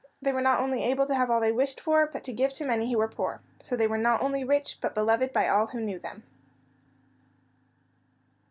They were not only able to have all they wished for, but to give to many who were poor. So they were not only rich, but beloved by all who knew them.